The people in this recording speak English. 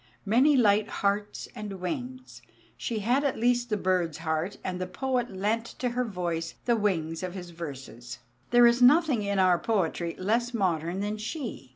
"Many light hearts and wings" she had at least the bird's heart, and the poet lent to her voice the wings of his verses. There is nothing in our poetry less modern than she.